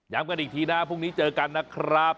กันอีกทีนะพรุ่งนี้เจอกันนะครับ